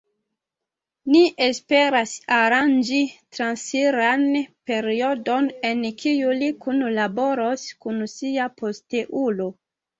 Ni esperas aranĝi transiran periodon en kiu li kunlaboros kun sia posteulo.